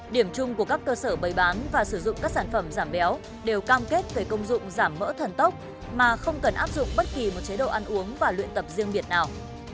điểm chung của các cơ sở bày bán và sử dụng các sản phẩm giảm béo đều cam kết về công dụng giảm mỡ thần tốc mà không cần áp dụng bất kỳ một chế độ ăn uống và luyện tập riêng biệt nào